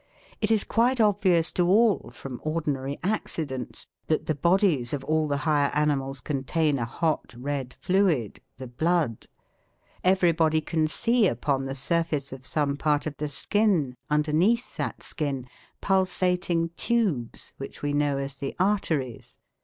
It is quite obvious to all, from ordinary accidents, that the bodies of all the higher animals contain a hot red fluid the blood. Everybody can see upon the surface of some part of the skin, underneath that skin, pulsating tubes, which we know as the arteries.